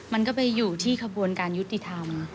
มันก็ไปอยู่ที่ขบวนการยุติธรรม